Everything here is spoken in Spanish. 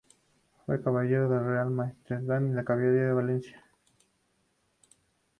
Fue caballero de la Real Maestranza de Caballería de Valencia.